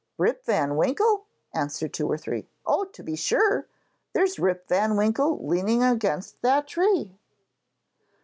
'Rip van Winkle?' answered two or three. 'Oh, to be sure! There's Rip van Winkle leaning against that tree.'